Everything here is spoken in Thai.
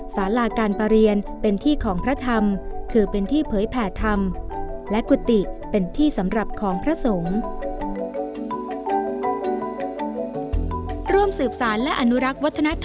สาราการประเรียนเป็นที่ของพระธรรมคือเป็นที่เผยแผ่ธรรมและกุฏิเป็นที่สำหรับของพระสงฆ์